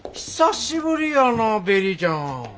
久しぶりやなベリーちゃん。